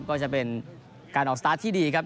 ก็จะเป็นการออกสตาร์ทที่ดีครับ